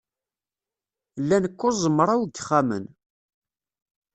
Llan kuẓ mraw n yexxamen